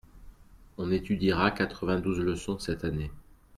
On étudiera quatre vingt-douze leçons cette année.